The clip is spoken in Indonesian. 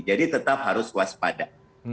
jadi tetap harus waspada